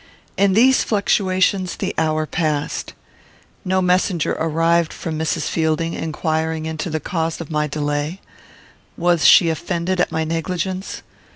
In these fluctuations the hour passed. No messenger arrived from Mrs. Fielding, inquiring into the cause of my delay. Was she offended at my negligence?